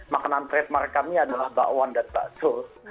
makanan trademark kami adalah bakwan dan bakso